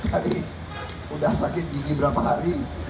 jadi sudah sakit gigi berapa hari